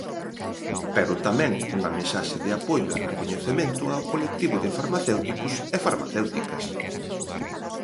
Pero tamén unha mensaxe de apoio e recoñecemento ao colectivo de farmacéuticos e farmacéuticas.